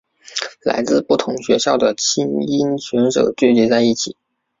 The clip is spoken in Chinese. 来自不同学校的菁英选手聚集在一起。